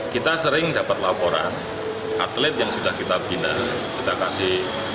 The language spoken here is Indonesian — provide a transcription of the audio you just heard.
kita sering dapat laporan atlet yang sudah kita bina kita kasih